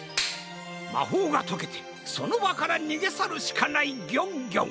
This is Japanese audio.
まほうがとけてそのばからにげさるしかないギョンギョン！